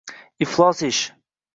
–Iflos ish?…